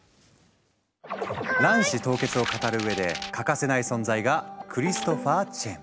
卵子凍結を語る上で欠かせない存在がクリストファー・チェン。